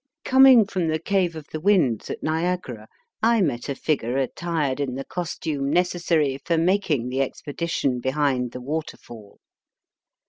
Coming from the Cave of the Winds at Niagara, I met a figure attired in the costume necessary for making the ex pedition behind the waterfall.